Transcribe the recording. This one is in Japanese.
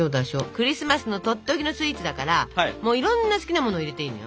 クリスマスのとっておきのスイーツだからもういろんな好きなものを入れていいのよ。